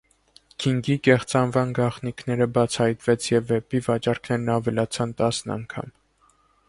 Քինգի կեղծանվան գաղտնիքը բացահայտվեց և վեպի վաճառքներն ավելացան տասն անգամ։